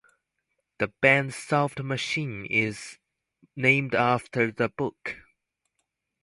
The band Soft Machine is named after the book.